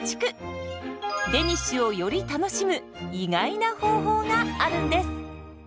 デニッシュをより楽しむ意外な方法があるんです。